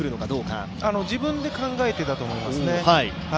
自分で考えてだと思いますね。